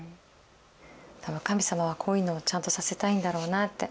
多分神様はこういうのをちゃんとさせたいんだろうなって。